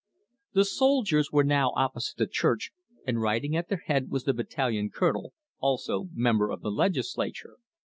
The soldiers were now opposite the church, and riding at their head was the battalion Colonel, also member of the Legislature.